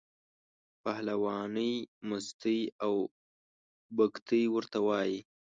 پهلوانۍ، مستۍ او بګتۍ ورته وایي.